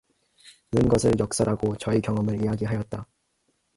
는 것을 역설하고 저의 경험을 이야기하였다.